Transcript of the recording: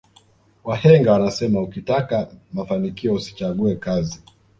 wahenga wanasema ukitaka mafanikio usichague kazi